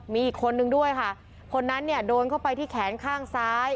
มีอีกคนนึงด้วยค่ะคนนั้นเนี่ยโดนเข้าไปที่แขนข้างซ้าย